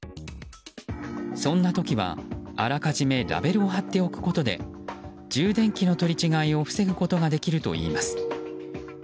そんな時は、あらかじめラベルを貼っておくことで充電器の取り違えを防ぐことができるといいます。